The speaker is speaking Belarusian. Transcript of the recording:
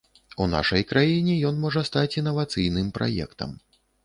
У нашай краіне ён можа стаць інавацыйным праектам.